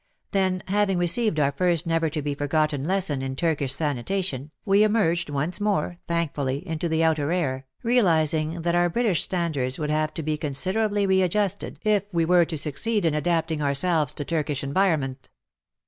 Then, having received our first never to be forgotten lesson in Turkish sanitation, we emerged once more, thankfully, into the outer air, realizing that our British standards would have to be considerably readjusted if we I06 WAR AND WOMEN were to succeed in adapting ourselves to Turkish environment.